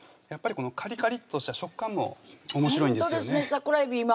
やっぱりこのカリカリッとした食感もおもしろいんですよね桜えび